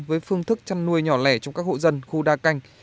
với phương thức chăn nuôi nhỏ lẻ trong các hộ dân khu đa canh